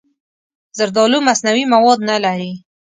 زردالو مصنوعي مواد نه لري.